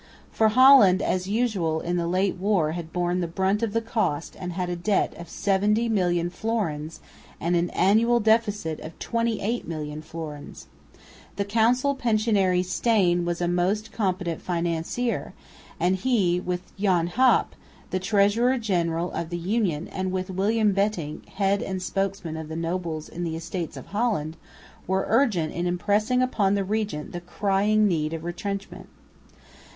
For Holland, as usual, in the late war had borne the brunt of the cost and had a debt of 70,000,000 fl. and an annual deficit of 28,000,000 fl. The council pensionary Steyn was a most competent financier, and he with Jan Hop, the treasurer general of the Union, and with William Bentinck, head and spokesman of the nobles in the Estates of Holland, were urgent in impressing upon the Regent the crying need of retrenchment.